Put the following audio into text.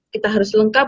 kita harus lengkap